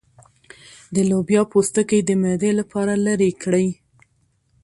د لوبیا پوستکی د معدې لپاره لرې کړئ